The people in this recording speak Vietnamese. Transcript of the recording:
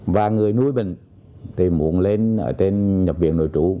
và người nuôi bệnh thì muộn lên ở tên nhập viện nội trụ